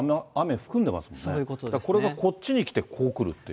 これがこっちに来てこう来るって。